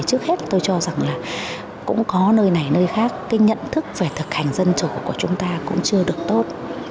trước hết tôi cho rằng là cũng có nơi này nơi khác cái nhận thức về thực hành dân chủ của chúng ta cũng chưa được tốt